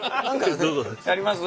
やります？